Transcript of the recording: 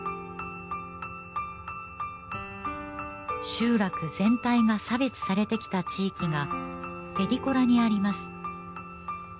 集落全体が差別されてきた地域がフェディコラにあります